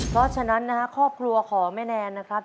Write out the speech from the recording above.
เพราะฉะนั้นนะครับครอบครัวของแม่แนนนะครับ